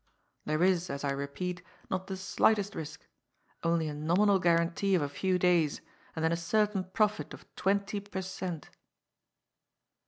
There is, as I repeat, not the slightest risk. Only a nominal guarantee of a few days, and then a certain profit of twenty per cent."